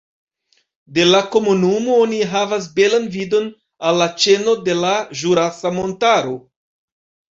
De la komunumo oni havas belan vidon al la ĉeno de la Ĵurasa Montaro.